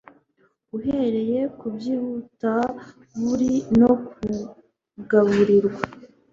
Uhereye kubyihutaburly no kugaburirwa